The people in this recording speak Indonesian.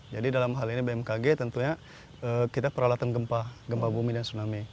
jadi dalam hal ini bmkg tentunya kita peralatan gempa bumi dan tsunami